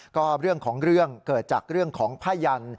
ก็เรื่องของเรื่องเกิดจากเรื่องของผ้ายัน